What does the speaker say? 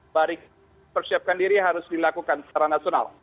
bersiapkan diri harus dilakukan secara nasional